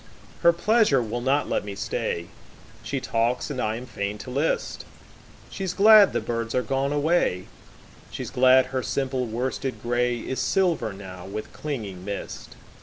Her pleasure will not let me stay. She talks and I am fain to list:She's glad the birds are gone away, She's glad her simple worsted grayIs silver now with clinging mist.